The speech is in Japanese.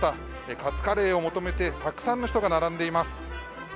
カツカレーを求めてたくさんの人が並んでいます。